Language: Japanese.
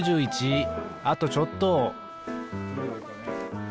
あとちょっと！